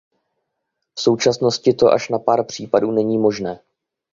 V současnosti to až na pár případů není možné.